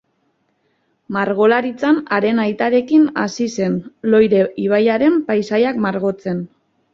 Margolaritzan haren aitarekin hasi zen, Loire ibaiaren paisaiak margotzen.